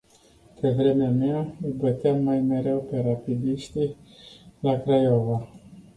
Pe vremea mea, îi băteam mai mereu pe rapidiști la Craiova.